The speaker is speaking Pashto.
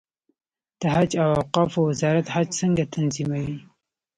د حج او اوقافو وزارت حج څنګه تنظیموي؟